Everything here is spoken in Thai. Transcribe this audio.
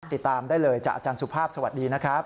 ติดตามได้เลยจากอาจารย์สุภาพสวัสดีนะครับ